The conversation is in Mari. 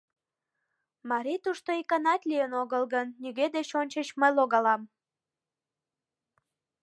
Марий тушто иканат лийын огыл гын, нигӧ деч ончыч мый логалам.